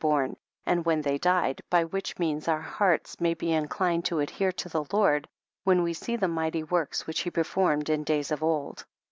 born, and when they died, by which means, our hearts may be inclined to adhere to the Lord, when we see the mighty works which he per formed in days of old.